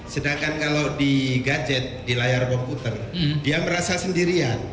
sedangkan kalau di gadget di layar komputer dia merasa sendirian